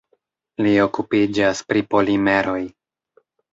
Li okupiĝas pri polimeroj.